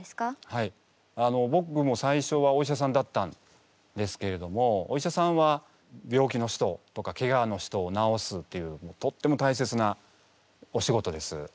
はいぼくも最初はお医者さんだったんですけれどもお医者さんは病気の人とかけがの人を治すっていうとっても大切なお仕事です。